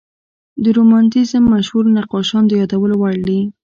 د رومانتیزم مشهور نقاشان د یادولو وړ دي.